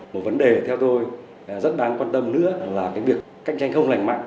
một vấn đề theo tôi rất đáng quan tâm nữa là cái việc cạnh tranh không lành mạnh